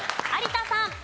有田さん。